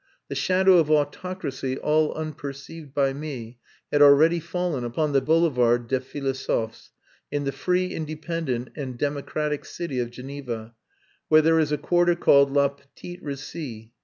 The shadow of autocracy all unperceived by me had already fallen upon the Boulevard des Philosophes, in the free, independent and democratic city of Geneva, where there is a quarter called "La Petite Russie."